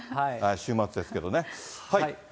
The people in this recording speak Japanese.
週末ですけどね。